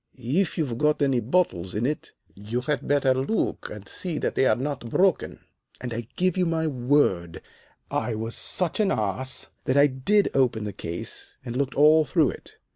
'If you've got any bottles in it, you had better look and see that they're not broken.' "And I give you my word, I was such an ass that I did open the case and looked all through it.